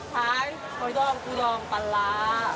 ขายหอยดองทุลองปลาร้า